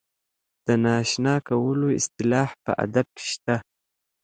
د نااشنا کولو اصطلاح په ادب کې شته.